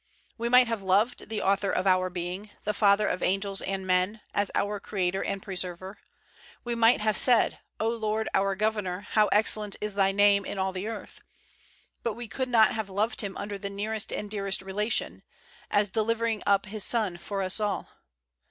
We might have loved the Author of our being, the Father of angels and men, as our Creator and Preserver: we might have said, "0 Lord, our Governor, how excellent is Thy name in all the earth !'' But we could not have loved Him under the nearest and dearest relation "as delivering up His Son for us all."